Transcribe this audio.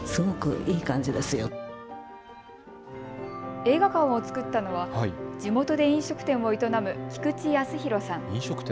映画館を作ったのは地元で飲食店を営む菊池康弘さん。